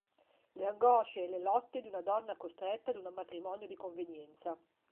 Le angosce e le lotte di una donna costretta ad un matrimonio di convenienza.